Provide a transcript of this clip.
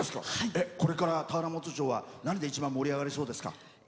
これから田原本町は何で一番盛り上がりそうですか？